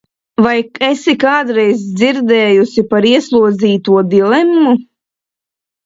Vai esi kādreiz dzirdējusi par ieslodzīto dilemmu?